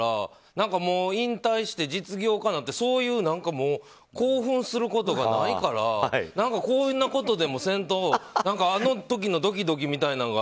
何かもう引退して実業家になって興奮することがないから何か、こんなことでもせんとあの時のドキドキみたいなのが。